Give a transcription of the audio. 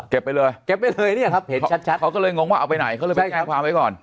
ไปเลยเก็บไว้เลยเนี่ยครับเห็นชัดชัดเขาก็เลยงงว่าเอาไปไหนเขาเลยไปแจ้งความไว้ก่อน